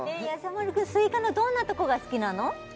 丸くんスイカのどんなとこが好きなの？